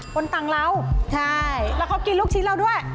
คนตังค์เราใช่แล้วเขากินลูกชิ้นเราด้วย